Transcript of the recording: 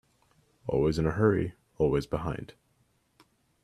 Always in a hurry, always behind.